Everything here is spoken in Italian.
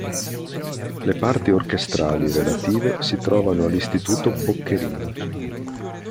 Le parti orchestrali relative si trovano all'Istituto Boccherini.